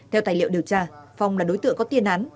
theo tài liệu điều tra phong là đối tượng có tiên án